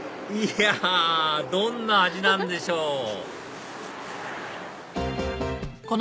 いやどんな味なんでしょう？